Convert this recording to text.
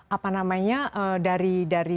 apa namanya dari